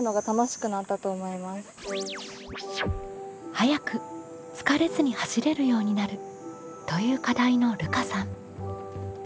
「速く疲れずに走れるようになる」という課題のるかさん。